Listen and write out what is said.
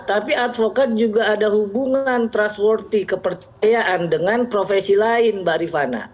tapi advokat juga ada hubungan trustworthy kepercayaan dengan profesi lain mbak rifana